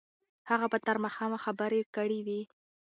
هغه به تر ماښامه خبرې کړې وي.